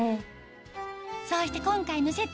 そして今回のセット